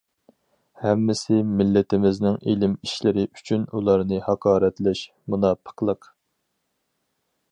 ھەممىسى مىللىتىمىزنىڭ ئىلىم ئىشلىرى ئۈچۈن، ئۇلارنى ھاقارەتلەش مۇناپىقلىق!